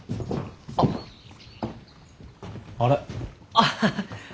アハハ。